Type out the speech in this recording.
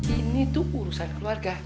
ini itu urusan keluarga